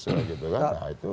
atau juga terlibat teroris